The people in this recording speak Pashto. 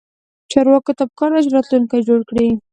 چارواکو ته پکار ده چې، راتلونکی جوړ کړي